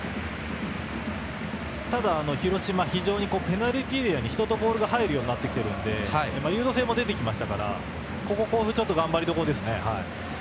ただ、広島はペナルティーエリアに人とボールが入るようになってきていますので流動性も出てきましたから甲府はここが頑張りどころですね。